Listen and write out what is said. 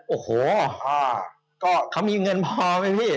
โอ้โหก็เขามีเงินพอไหมพี่